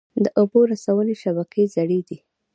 د اوبو رسونې شبکې زړې دي؟